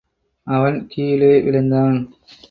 அவன் கீழே விழுந்தான்.